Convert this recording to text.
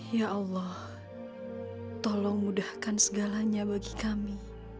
ya allah tolong mudahkan segalanya bagi kami